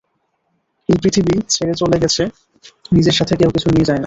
এই পৃথিবী ছেড়ে চলে গেলে নিজের সাথে কেউ কিছু নিয়ে যায় না।